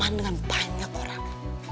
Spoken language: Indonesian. berman dengan banyak orang